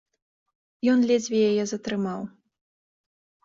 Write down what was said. Ён ледзьве яе затрымаў.